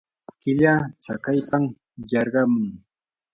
killa tsakaypam yarqamun.